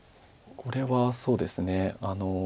これはそうですね。